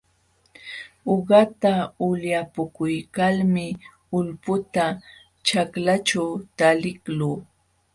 Uqata ulyapakuykalmi ulputa ćhaklaćhu taliqluu.